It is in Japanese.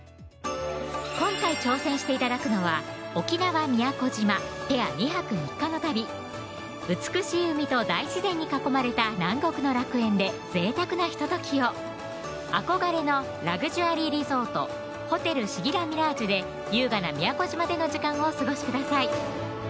今回挑戦して頂くのは沖縄・宮古島ペア２泊３日の旅美しい海と大自然に囲まれた南国の楽園でぜいたくなひとときを憧れのラグジュアリーリゾート・ホテルシギラミラージュで優雅な宮古島での時間をお過ごしください